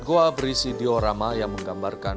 goa berisi diorama yang menggambarkan